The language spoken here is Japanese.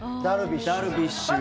ダルビッシュが。